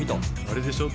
・あれでしょ？